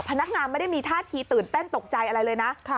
พนักงานไม่ได้มีท่าทีตื่นเต้นตกใจอะไรเลยนะ